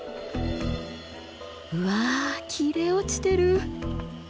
わあ切れ落ちてる！